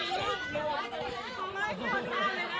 ไปแล้วนะ